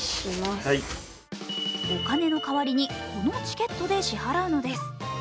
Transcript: お金の代わりにこのチケットで支払うのです。